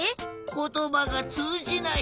ことばがつうじない。